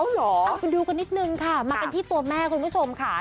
เอาไปดูกันนิดนึงค่ะมากันที่ตัวแม่คุณผู้ชมค่ะ